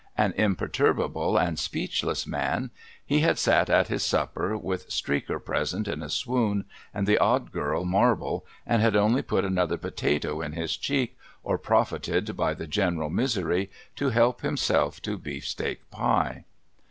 An imperturbable and speechless man, he had sat at his supper, with Streaker present in a swoon, and the Odd Girl marble, and had only put another potato in his cheek, or profited by the general misery to help himself to beefsteak pie.